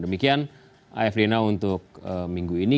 demikian afd now untuk minggu ini